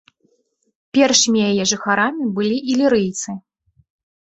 Першымі яе жыхарамі былі ілірыйцы.